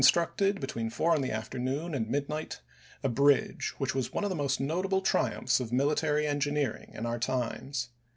structed, between four in the afternoon and mid night, a bridge which was one of the most notable triumphs of military engineering in our times.